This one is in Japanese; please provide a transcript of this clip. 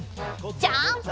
ジャンプ！